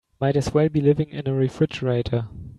Might as well be living in a refrigerator.